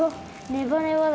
ネバネバだ。